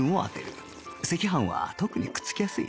赤飯は特にくっつきやすい